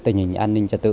tình hình an ninh trật tự